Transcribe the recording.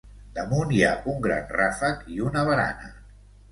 Damunt hi ha un gran ràfec i una barana.